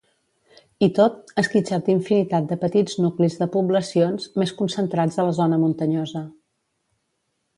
I tot, esquitxat d'infinitat de petits nuclis de poblacions, més concentrats a la zona muntanyosa.